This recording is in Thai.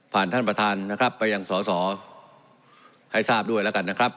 ท่านประธานนะครับไปยังสอสอให้ทราบด้วยแล้วกันนะครับ